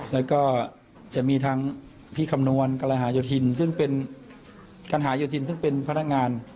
แล้วก็จะมีทั้งพี่คำนวณกรหายโยธินซึ่งเป็นการหายโยธินซึ่งเป็นพนักงาน